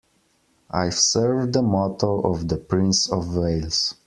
I serve the motto of the Prince of Wales.